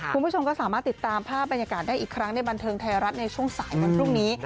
คุณผู้ชมก็สามารถติดตามภาพบรรยากาศได้อีกครั้งในบันเทิงไทยรัฐในช่วงสายวันพรุ่งนี้